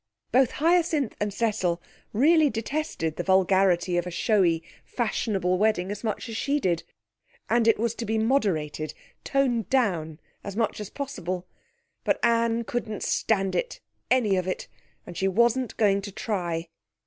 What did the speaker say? Both Hyacinth and Cecil really detested the vulgarity of a showy fashionable wedding as much as she did, and it was to be moderated, toned down as much as possible. But Anne couldn't stand it any of it and she wasn't going to try.